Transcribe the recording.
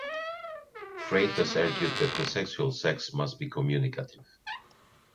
Freitas argued that consensual sex must be communicative.